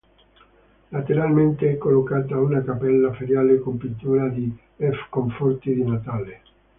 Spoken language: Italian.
Lateralmente è collocata una cappella feriale con pitture di F. Conforti Di Natale.